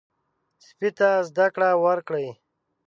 سپي ته زده کړه ورکړئ.